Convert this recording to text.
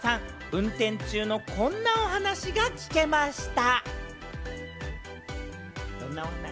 運転中のこんなお話が聞けました。